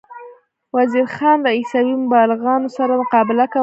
وزیر خان له عیسوي مبلغانو سره مقابله کوله.